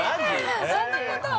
そんなことを？